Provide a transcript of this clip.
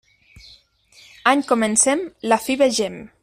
Any comencem; la fi vegem.